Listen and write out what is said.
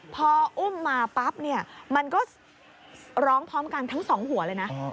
พออุ้มมาปั๊บเนี่ยมันก็ร้องพร้อมกันทั้งสองหัวเลยนะ